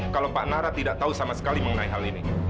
kalau pak nara tidak tahu sama sekali mengenai hal ini